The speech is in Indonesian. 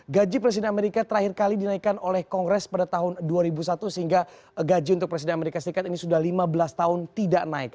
gaji presiden amerika terakhir kali dinaikkan oleh kongres pada tahun dua ribu satu sehingga gaji untuk presiden amerika serikat ini sudah lima belas tahun tidak naik